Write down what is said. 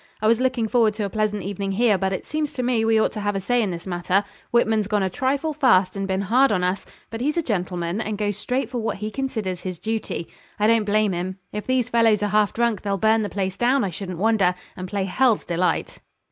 'I was looking forward to a pleasant evening here, but it seems to me we ought to have a say in this matter. Whitman's gone a trifle fast, and been hard on us; but he's a gentleman, and goes straight for what he considers his duty. I don't blame him. If these fellows are half drunk they'll burn the place down I shouldn't wonder, and play hell's delight.'